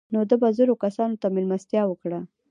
نو ده به زرو کسانو ته مېلمستیا وکړه.